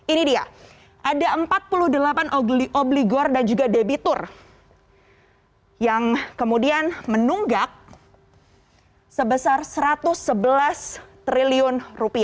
ini dia ada empat puluh delapan obligor dan juga debitur yang kemudian menunggak sebesar rp satu ratus sebelas triliun